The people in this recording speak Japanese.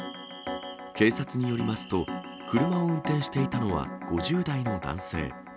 警察によりますと、車を運転していたのは５０代の男性。